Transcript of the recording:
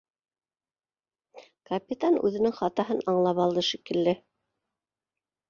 Капитан үҙенең хатаһын аңлап алды шикелле